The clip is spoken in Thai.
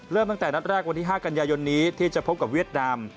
ตั้งแต่นัดแรกวันที่๕กันยายนนี้ที่จะพบกับเวียดนาม